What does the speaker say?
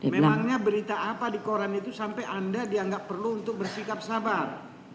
memangnya berita apa di koran itu sampai anda dianggap perlu untuk bersikap sabar